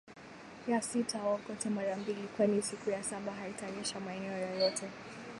ya sita waokote mara mbili kwani siku ya saba haitanyesha maeneo yoyote